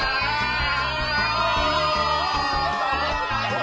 お！